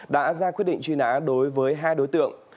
đã ra quyết định truy nã đối với hai đối tượng